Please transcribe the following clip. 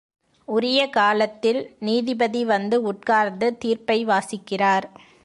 உரியகாலத்தில் நீதிபதி வந்து உட்கார்ந்து தீர்ப்பை வாசிக்கிறார்.